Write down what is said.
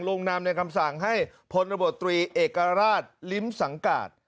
ลงนำในคำสั่งให้พลตำรวจตรีเอกราชริมสังกาศ